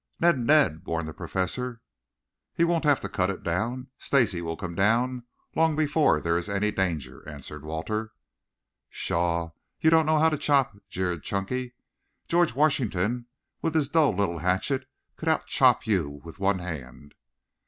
"Ned, Ned!" warned the Professor. "He won't have to cut it down. Stacy will come down long before there is any danger," answered Walter. "Pshaw! You don't know how to chop," jeered Chunky. "George Washington, with his dull little hatchet, could out chop you with one hand."